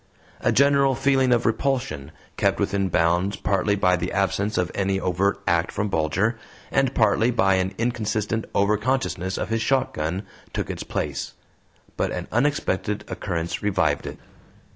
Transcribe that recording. A general feeling of repulsion, kept within bounds partly by the absence of any overt act from Bulger, and partly by an inconsistent over consciousness of his shotgun, took its place. But an unexpected occurrence revived it.